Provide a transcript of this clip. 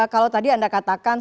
kalau tadi anda katakan